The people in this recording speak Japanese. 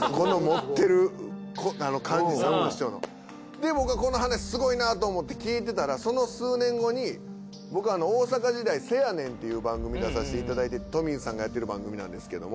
で僕がこの話すごいなと思って聞いてたらその数年後に僕大阪時代『せやねん！』っていう番組出させていただいててトミーズさんがやってる番組なんですけども。